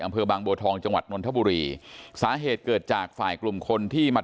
อำเภอบางบัวทองจังหวัดนนทบุรีสาเหตุเกิดจากฝ่ายกลุ่มคนที่มา